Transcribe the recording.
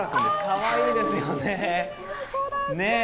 かわいいですよね。